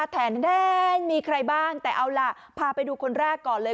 แทนแดงมีใครบ้างแต่เอาล่ะพาไปดูคนแรกก่อนเลย